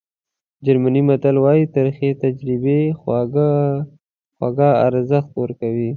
جرمني متل وایي ترخې تجربې خواږه ارزښت ورکوي.